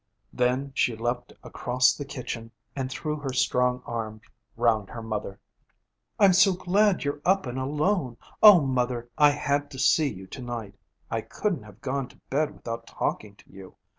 Then she leaped across the kitchen, and threw her strong arms round her mother. 'I'm so glad you're up and alone! O mother, I had to see you to night. I couldn't have gone to bed without talking to you.